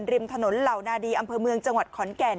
ผู้ติดต่อโอนิสต์ใหนหนทุนเหลานาดีอัมเภอเมืองจังหวัดขอนแก่น